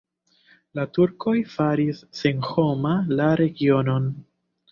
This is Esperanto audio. La turkoj faris senhoma la regionon.